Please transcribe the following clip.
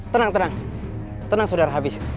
tenang tenang tenang saudara habis